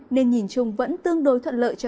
nên nhìn chung vẫn tương đối thôi